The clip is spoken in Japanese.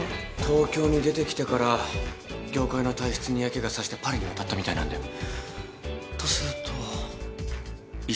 東京に出てきてから業界の体質に嫌気が差してパリに渡ったみたいなんだよ。とすると一時帰国して行くなら。